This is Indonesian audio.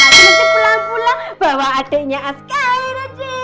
pulang pulang bawa adiknya askar